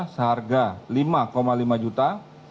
seharga lima lima juta